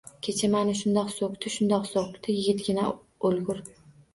Kecha mani shundoq so‘kdi, shundoq so‘kdi, yigitgina o‘lgur!